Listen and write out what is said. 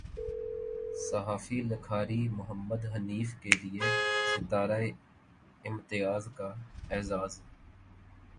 صحافی لکھاری محمد حنیف کے لیے ستارہ امتیاز کا اعزاز